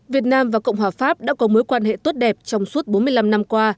việt nam và cộng hòa pháp đã có mối quan hệ tốt đẹp trong suốt bốn mươi năm năm qua